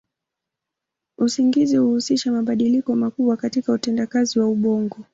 Usingizi huhusisha mabadiliko makubwa katika utendakazi wa ubongo.